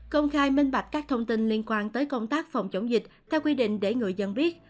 công khai minh bạch các thông tin liên quan tới công tác phòng chống dịch theo quy định để người dân biết